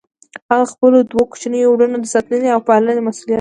هغه د خپلو دوه کوچنيو وروڼو د ساتنې او پالنې مسئوليت و.